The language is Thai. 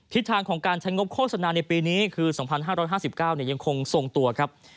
ทางของการใช้งบโฆษณาในปีนี้คือ๒๕๕๙ยังคงทรงตัวครับ